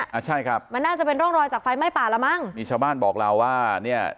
อ่าใช่ครับมันน่าจะเป็นร่องรอยจากไฟไหม้ป่าละมั้งมีชาวบ้านบอกเราว่าเนี้ย